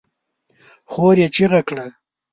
خور يې چيغه کړه!